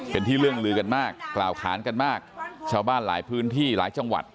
เป็นที่เรื่องลือกันมากกล่าวขานกันมากชาวบ้านหลายพื้นที่หลายจังหวัด